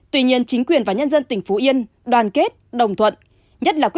tuy nhiên chính quyền và nhân dân tỉnh phú yên đoàn kết đồng thuận